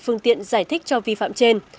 phương tiện giải thích cho vi phạm trên